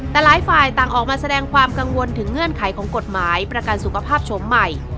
แต่หลายฝ่ายต่างออกมาแสดงความกังวลถึงเงื่อนไขของกฎหมายประกันสุขภาพชมใหม่